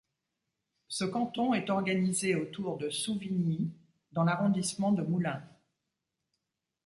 Ce canton est organisé autour de Souvigny dans l'arrondissement de Moulins.